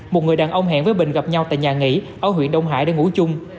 một người đàn ông hẹn với bình gặp nhau tại nhà nghỉ ở huyện đông hải để ngủ chung